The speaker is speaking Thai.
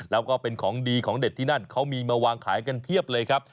แล้วก็เป็นของดีของเด็ดที่นั่นเขามีมาวางขายกันเพียบเลยครับ